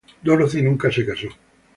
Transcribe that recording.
Dorothy nunca se casó.